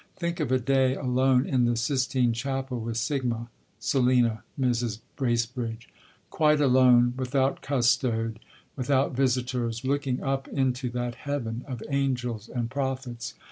Think of a day alone in the Sistine Chapel with [Greek: S] [Selina, Mrs. Bracebridge], quite alone, without custode, without visitors, looking up into that heaven of angels and prophets....